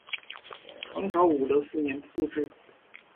唐朝武德四年复置。